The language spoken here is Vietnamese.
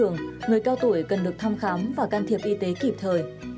người cao tuổi cần được thăm khám và can thiệp y tế kịp thời